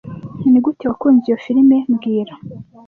Nigute wakunze iyo firime mbwira